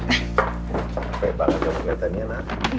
pebak banget kamu ternyata niana